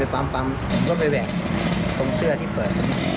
ไปอาตรบปำก็ไปแหวะเพราะเสื้อที่เปิด